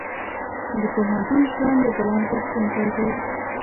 د پوهنتون ژوند د پلان غوښتونکی دی.